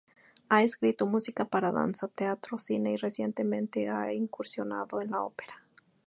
Ha escrito música para danza, teatro, cine y recientemente ha incursionado en la ópera.